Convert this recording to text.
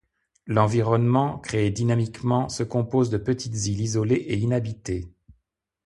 L’environnement, créé dynamiquement, se compose de petites îles isolées et inhabitées.